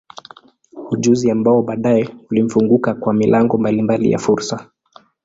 Ujuzi ambao baadaye ulimfunguka kwa milango mbalimbali ya fursa.